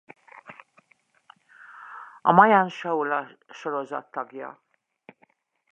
A Mian–Chowla-sorozat tagja.